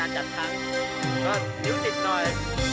ก็นานจัดทางก็นิวสิทธิ์หน่อย